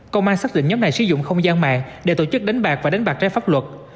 công an xác định nhóm này sử dụng không gian mạng để tổ chức đánh bạc và đánh bạc trái pháp luật